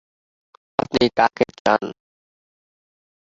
এর তিনটি সংস্কার ভবনকে সত্যিকার চেহারায় ফিরিয়ে এনেছে।